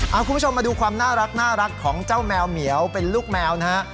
เอาคุณผู้ชมมาดูความน่ารักของเจ้าแมวเหมียวเป็นลูกแมวนะฮะ